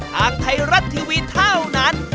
ทางไทยรัฐทีวีเท่านั้น